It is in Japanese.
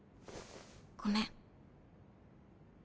ごめん。